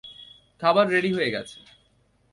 খাবার রেডি হয়ে গেছে।